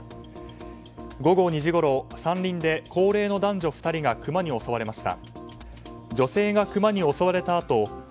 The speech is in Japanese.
午後２時ごろ山林で高齢の男女２人がクマに襲われました。